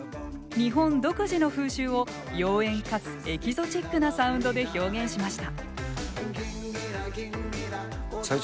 日本独自の風習を妖艶かつエキゾチックなサウンドで表現しました。